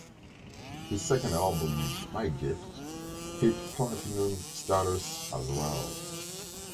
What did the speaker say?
His second album "My Gift" hit Platinum status as well.